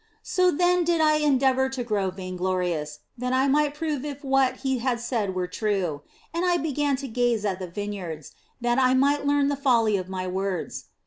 So then did I endeavour to grow vainglorious, that I might prove if what He had said were true ; and I began to gaze at the vineyards, that I might learn the folly of my words.